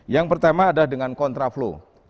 yang pertama adalah dengan kontraflow